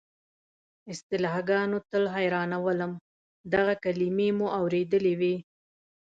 اصطلاحګانو تل حیرانولم، دغه کلیمې مو اورېدلې وې.